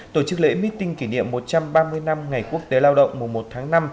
tổ chức lễ meeting kỷ niệm một trăm ba mươi năm ngày quốc tế lao động mùa một tháng năm